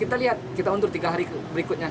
kita lihat kita mundur tiga hari berikutnya